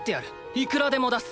いくらでも出す！